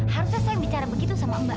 harusnya saya bicara begitu sama mbak